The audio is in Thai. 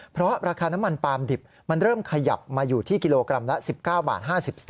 เพราะราคาน้ำมันปาล์มดิบมันเริ่มขยับมาอยู่ที่กิโลกรัมละ๑๙บาท๕๐สตาง